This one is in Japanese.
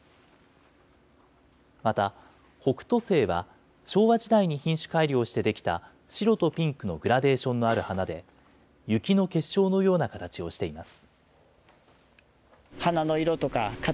また、北斗星は昭和時代に品種改良してできた白とピンクのグラデーションのある花で、雪の結晶のような形をしています。